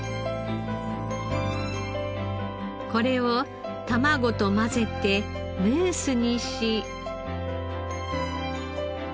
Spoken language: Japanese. これを卵と混ぜてムースにし。